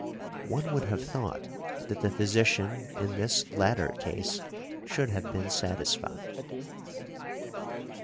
One would have thought that the physician in this latter case should have been satisfied.